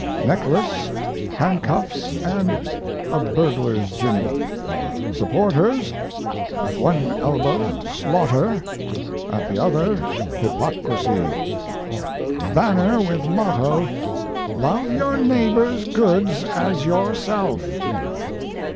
Necklace handcuffs and a burglar's jimmy. Supporters At one elbow Slaughter, at the other Hypocrisy. Banner with motto "Love Your Neighbor's Goods as Yourself."